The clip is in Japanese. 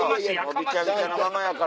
びちゃびちゃのままやから。